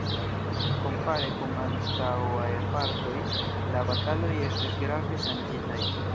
Kompare kun antaŭaj partoj, la bataloj estis grave ŝanĝitaj.